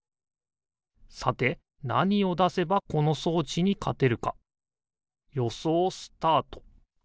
さてなにをだせばこのそうちにかてるかよそうスタート！